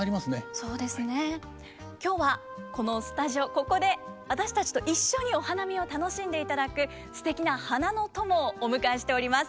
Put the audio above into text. ここで私たちと一緒にお花見を楽しんでいただくすてきな花の友をお迎えしております。